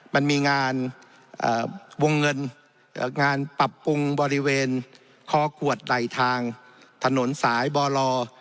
มันมีงานวงเงินงานปรับปรุงบริเวณคอขวดไหลทางถนนสายบล